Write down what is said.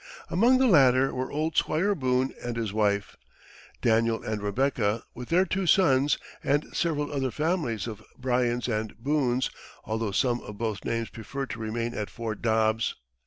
Among the latter were old Squire Boone and his wife, Daniel and Rebecca, with their two sons, and several other families of Bryans and Boones, although some of both names preferred to remain at Fort Dobbs.